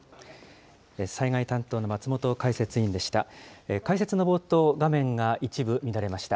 災害担当の松本解説委員でした。